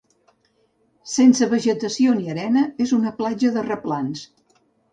Sense vegetació ni arena, és una platja de replans.